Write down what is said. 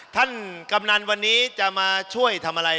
กำนันวันนี้จะมาช่วยทำอะไร